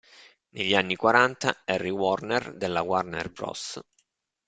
Negli anni quaranta, Harry Warner della Warner Bros.